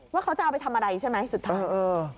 ว่าเขาจะเอาไปทำอะไรใช่ไหมสุดท้าย